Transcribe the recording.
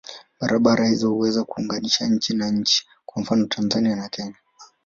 Barabara hizo huweza kuunganisha nchi na nchi, kwa mfano Tanzania na Kenya.